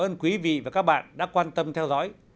ơn quý vị và các bạn đã quan tâm theo dõi